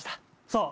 そう。